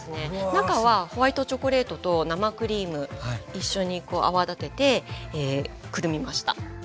中はホワイトチョコレートと生クリーム一緒に泡立ててくるみました。